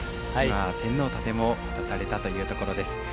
天皇盾も渡されたというところです。